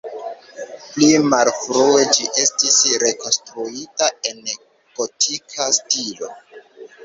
Pli malfrue ĝi estis rekonstruita en gotika stilo.